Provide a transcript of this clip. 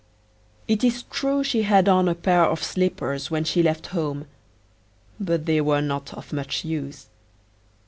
It is true she had on a pair of slippers when she left home, but they were not of much use.